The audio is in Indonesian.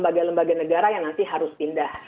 sebagai lembaga negara yang nanti harus pindah